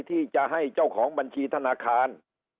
ที่จะให้เจ้าของบัญชีธนาคาร